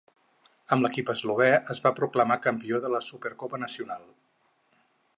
Amb l'equip eslovè es va proclamar campió de la Supercopa nacional.